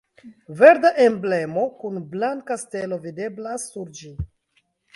Verda emblemo kun blanka stelo videblas sur ĝi.